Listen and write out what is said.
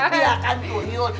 dia akan turun